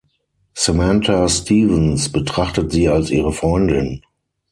Samantha Stephens betrachtet sie als ihre Freundin.